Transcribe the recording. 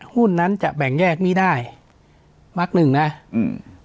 หุ้นนั้นจะแบ่งแยกนี้ได้มักหนึ่งนะอืม